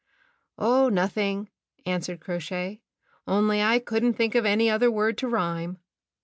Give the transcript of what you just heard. "Oh, nothing," answered Crow Shay, "only I couldn't think of any other word to rhyme.".